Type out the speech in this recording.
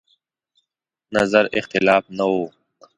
نظر اختلاف نه و.